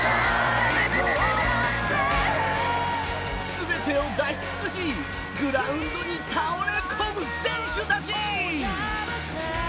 すべてを出し尽くしグラウンドに倒れ込む選手たち。